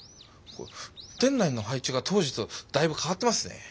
店内の配置が当時とだいぶ変わってますね。